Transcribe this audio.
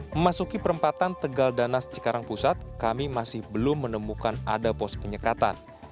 memasuki perempatan tegal danas cikarang pusat kami masih belum menemukan ada pos penyekatan